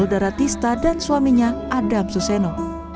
artis inul daratista dan suaminya adam suseno